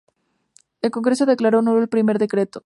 El Congreso declaró nulo el primer decreto.